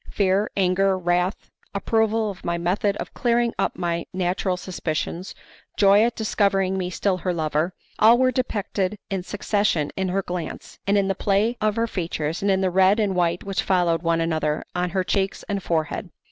Fear, anger, wrath, approval of my method of clearing up my natural suspicions, joy at discovering me still her lover all were depicted in succession in her glance, and in the play of her features, and in the red and white which followed one another on her cheeks and forehead.